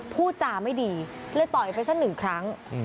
พูดจาไม่ดีเลยต่อยไปสักหนึ่งครั้ง